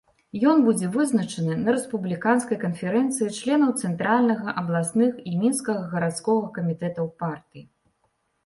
Ён будзе вызначаны на рэспубліканскай канферэнцыі членаў цэнтральнага, абласных і мінскага гарадскога камітэтаў партыі.